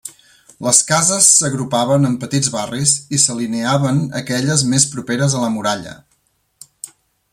Les cases s'agrupaven en petits barris i s'alineaven aquelles més properes a la muralla.